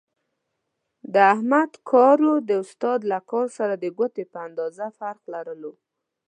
د احمد کارو د استاد له کار سره د ګوتې په اندازې فرق لرلو.